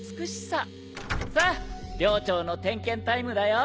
さあ寮長の点検タイムだよ。